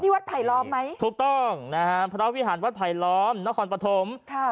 วัดไผลล้อมไหมถูกต้องนะฮะพระวิหารวัดไผลล้อมนครปฐมค่ะ